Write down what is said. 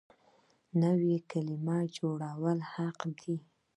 نوې کلمې جوړول حق دی.